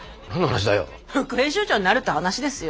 副編集長になるって話ですよ。